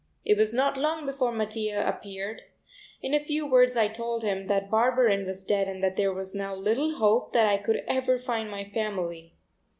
It was not long before Mattia appeared. In a few words I told him that Barberin was dead and that there was now little hope that I could ever find my family.